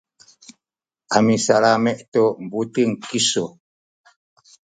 a misalami’ tu buting kisu.